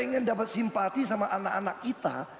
dia pengen dapat simpati sama anak anak kita